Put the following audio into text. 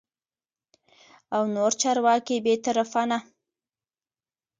او نور چارواکي بې طرفانه